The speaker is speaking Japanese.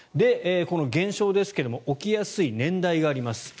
この現象ですが起きやすい年代があります。